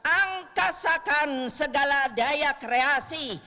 angkasakan segala daya kreasi